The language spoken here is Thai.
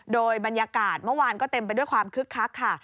โดยบรรยากาศเมื่อวานก็เต็มไปด้วยความคึกคักค่ะ